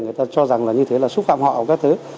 người ta cho rằng là như thế là xúc phạm họ các thứ